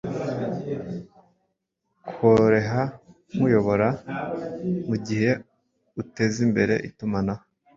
koreha nkuyobora mugihe utezimbere itumanaho